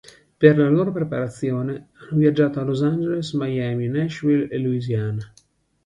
Per la loro preparazione, hanno viaggiato a Los Angeles, Miami, Nashville e Louisiana.